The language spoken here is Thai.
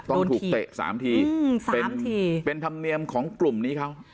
ต้องถูกเตะ๓ทีเป็นธรรมเนียมของกลุ่มนี้เขา